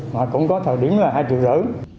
mà cũng có thời điểm là hai triệu rỡ